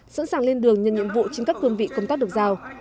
sẵn sàng lên đường nhân nhiệm vụ trên các cương vị công tác được giao